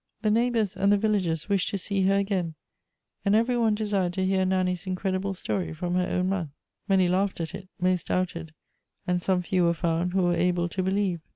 The neighbors and the villagers wished to see her again, and every one desired to hear Nanny's incredible story from her own mouth. Many laughed at it, most doubted, and some few were found who were able to believe.